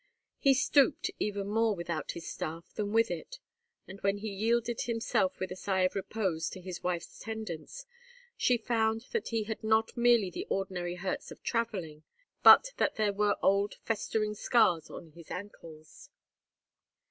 He stooped even more without his staff than with it; and, when he yielded himself with a sigh of repose to his wife's tendance, she found that he had not merely the ordinary hurts of travelling, but that there were old festering scars on his ankles.